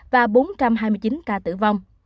và bốn trăm hai mươi chín ca tử vong